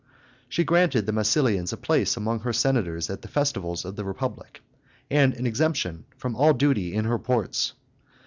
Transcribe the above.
She granted the Massilians a place amongst her senators at the festivals of the Republic, and exemption from all duty in her ports.